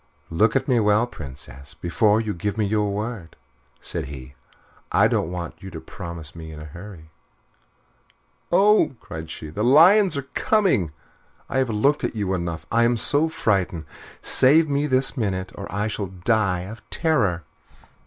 "Look at me well, Princess, before you give me your word," said he. "I don't want you to promise me in a hurry." "Oh!" cried she, "the lions are coming. I have looked at you enough. I am so frightened. Save me this minute, or I shall die of terror."